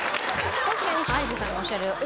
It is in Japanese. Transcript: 確かに有田さんがおっしゃるように。